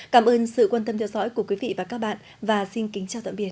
cảm ơn sự quan tâm theo dõi của quý vị và các bạn và xin kính chào tạm biệt